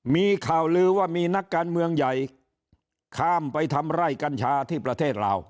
มีข่าวลือว่ามีนักการเมืองใหญ่ข้ามไปทำไร่กัญชาที่ประเทศลาว